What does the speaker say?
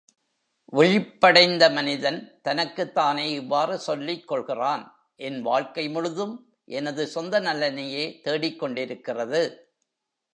விழிப்படைந்த மனிதன் தனக்குத் தானே இவ்வாறு சொல்லிக் கொள்கிறான் என் வாழ்க்கை முழுதும் எனது சொந்த நலனையே தேடிக்கொண்டிருக்கிறது.